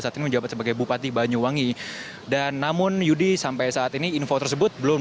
saat ini menjabat sebagai bupati banyuwangi dan namun yudi sampai saat ini info tersebut belum